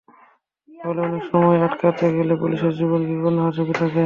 ফলে অনেক সময় আটকাতে গেলে পুলিশের জীবনও বিপন্ন হওয়ার ঝুঁকি থাকে।